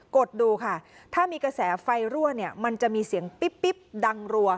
ดดูค่ะถ้ามีกระแสไฟรั่วเนี่ยมันจะมีเสียงปิ๊บดังรัว